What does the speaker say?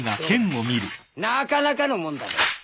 なかなかのもんだろ。